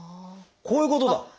こういうことだ。